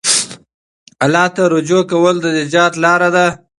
الله ته رجوع کول د نجات لاره ده.